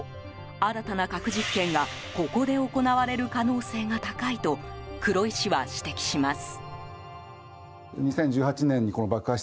新たな核実験がここで行われる可能性が高いと黒井氏は指摘します。